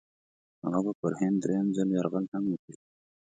هغه به پر هند درېم ځل یرغل هم وکړي.